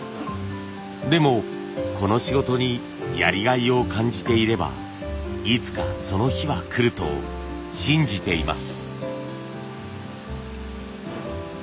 でもこの仕事にやりがいを感じていればいつかその日は来ると信じています。